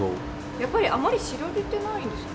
やっぱりあまり知られてないんですか。